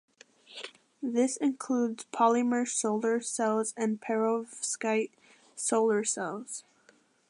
This includes polymer solar cells and perovskite solar cells.